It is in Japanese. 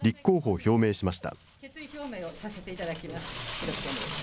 決意表明をさせていただきます。